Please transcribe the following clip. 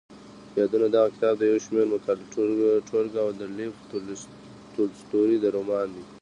يادونه دغه کتاب د يو شمېر مقالو ټولګه او د لېف تولستوري د رومان.